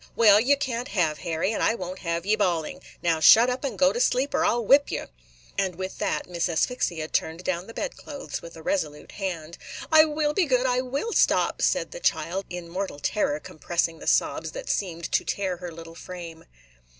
"Well, you can't have Harry; and I won't have ye bawling. Now shut up and go to sleep, or I 'll whip you!" And, with that, Miss Asphyxia turned down the bedclothes with a resolute hand. "I will be good, – I will stop," said the child, in mortal terror compressing the sobs that seemed to tear her little frame.